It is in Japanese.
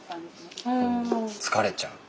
疲れちゃう？